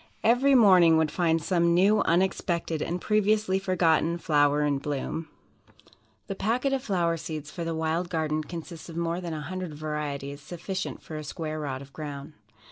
Every morning would find some new, unexpected, and previously forgotten flower in bloom." The packet of Flower Seeds for the "Wild Garden" consists of more than a hundred varieties, sufficient for a square rod of ground.